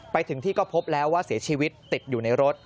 ไปถึงที่ก็พบแล้วว่าเสียชีวิตติดอยู่ในรถ